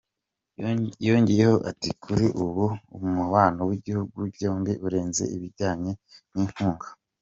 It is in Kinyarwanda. Yongeyeho ati ″Kuri ubu umubano w’ibihugu byombi urenze ibijyanye n’inkunga.